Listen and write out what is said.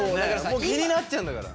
もう気になっちゃうんだから。